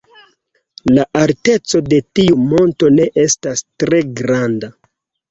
La alteco de tiu monto ne estas tre granda.